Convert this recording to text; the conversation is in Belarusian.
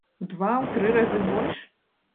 У два, у тры разы больш?